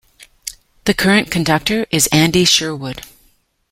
The current conductor is Andy Sherwood.